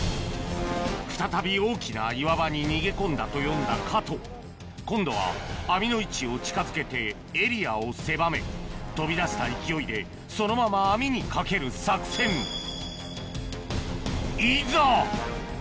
再び大きな岩場に逃げ込んだと読んだ加藤今度は網の位置を近づけてエリアを狭め飛び出した勢いでそのまま網にかける作戦いざ！